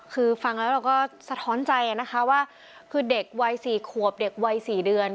คือฟังแล้วเราก็สะท้อนใจนะคะว่าคือเด็กวัย๔ขวบเด็กวัย๔เดือน